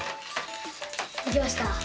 できました。